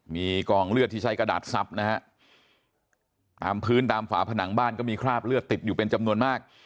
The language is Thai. มีกองเลือดที่ใช้กระดาษซับนะฮะตามพื้นตามฝาผนังบ้านก็มีคราบเลือดติดอยู่เป็นจำนวนมาก